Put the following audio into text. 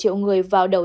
khi cử tri đi bỏ phòng